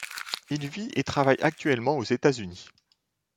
Il vit et travaille actuellement aux États-Unis.